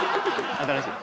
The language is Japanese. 新しい。